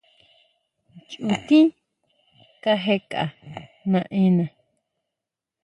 Nchutin kajeka naena.